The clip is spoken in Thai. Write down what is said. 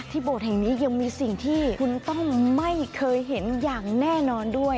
โบสถ์แห่งนี้ยังมีสิ่งที่คุณต้องไม่เคยเห็นอย่างแน่นอนด้วย